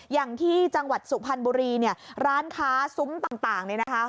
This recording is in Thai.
อย่างที่จังหวัดสุพรรณบุรีเนี่ยร้านค้าซุ้มต่างเนี่ยนะคะ